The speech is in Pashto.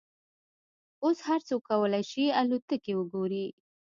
اوس هر څوک کولای شي الوتکې وګوري.